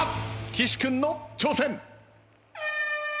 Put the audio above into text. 岸君の挑戦。